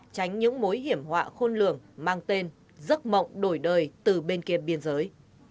tránh những mối hiểm họa khôn lường mang tên giấc mộng đổi đời từ bên kia biên giới